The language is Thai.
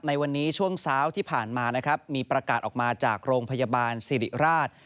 ในวันนี้ช่วงเช้าที่ผ่านมานะครับมีประกาศออกมาจากโรงพยาบาลสิริราช